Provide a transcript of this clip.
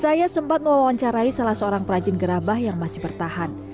saya sempat mewawancarai salah seorang perajin gerabah yang masih bertahan